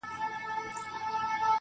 د شداد او د توبې یې سره څه,